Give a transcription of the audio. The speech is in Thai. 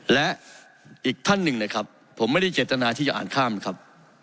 และอีกท่านหนึ่งนะครับผมไม่ได้เจตนาที่จะอ่านข้ามนะครับ